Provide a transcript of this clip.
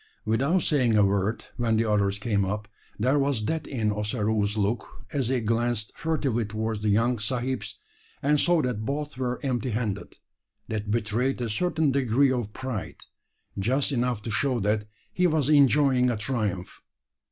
Without saying a word, when the others came up, there was that in Ossaroo's look as he glanced furtively towards the young sahibs, and saw that both were empty handed that betrayed a certain degree of pride just enough to show that he was enjoying a triumph.